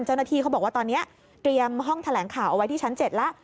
เจ้าหน้าที่เขาบอกว่าตอนนี้เตรียมห้องแถลงข่าวเอาไว้ที่ชั้น๗แล้ว